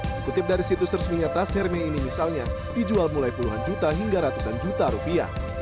dikutip dari situs resminya tas herme ini misalnya dijual mulai puluhan juta hingga ratusan juta rupiah